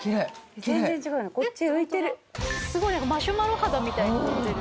すごいマシュマロ肌みたいになってる。